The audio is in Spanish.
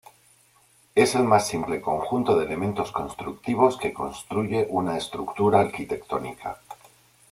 Es el más simple conjunto de elementos constructivos que constituye una estructura arquitectónica.